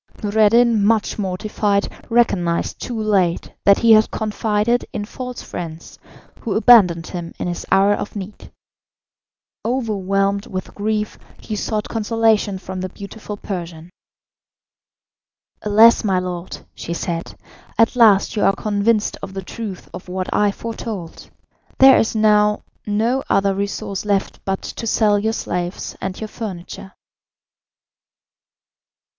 Noureddin, much mortified, recognised too late that he had confided in false friends, who abandoned him in his hour of need. Overwhelmed with grief, he sought consolation from the beautiful Persian. "Alas, my lord," she said, "at last you are convinced of the truth of what I foretold. There is now no other resource left but to sell your slaves and your furniture."